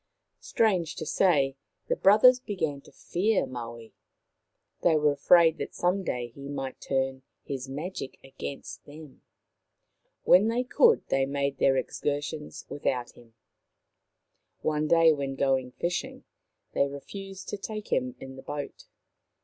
Strange to say, the brothers began to fear Maui. They were afraid that some day he might turn his magic against them. When they could, they made their excursions without him. One day, when going fishing, they refused to take him in the boat.